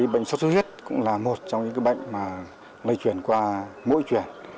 bệnh sốt xuất huyết cũng là một trong những bệnh lây truyền qua mỗi truyền